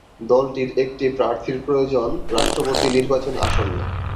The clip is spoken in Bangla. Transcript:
দলটির একটি প্রার্থীর প্রয়োজন, রাষ্ট্রপতি নির্বাচন আসন্ন।